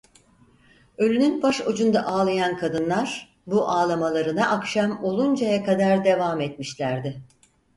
Ölünün baş ucunda ağlayan kadınlar, bu ağlamalarına akşam oluncaya kadar devam etmişlerdi…